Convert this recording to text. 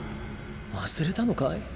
忘れたのかい？